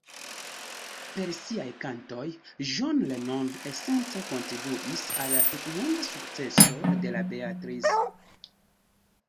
Per siaj kantoj John Lennon esence kontribuis al la tutmonda sukceso de la Beatles.